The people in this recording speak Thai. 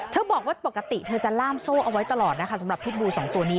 บอกว่าปกติเธอจะล่ามโซ่เอาไว้ตลอดนะคะสำหรับพิษบูสองตัวนี้